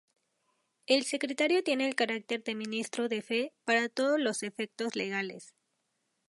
El Secretario tiene el carácter de ministro de fe para todos los efectos legales.